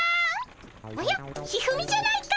おや一二三じゃないか。